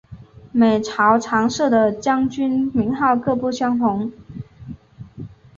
每朝常设的将军名号各不相同。